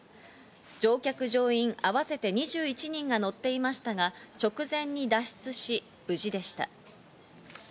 乗客乗員合わせて２１人が乗っていましたが、直前に脱出し無事でした。